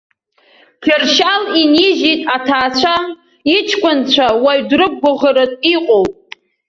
Кьыршьал инижьит аҭаацәа, иҷкәынцәа уаҩ дрықәгәыӷыртә иҟоуп.